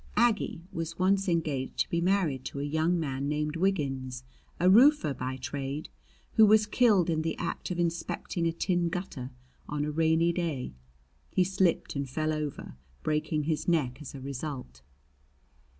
Aggie was once engaged to be married to a young man named Wiggins, a roofer by trade, who was killed in the act of inspecting a tin gutter, on a rainy day. He slipped and fell over, breaking his neck as a result.